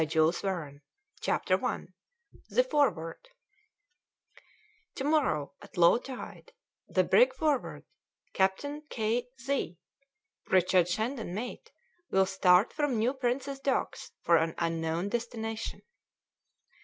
........ 249 CHAPTER I THE "FORWARD" "To morrow, at low tide, the brig Forward, Captain K. Z , Richard Shandon mate, will start from New Prince's Docks for an unknown destination."